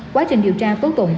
quá trình điều tra tốt tụng